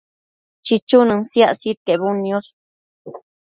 chichunën siac sidquebudniosh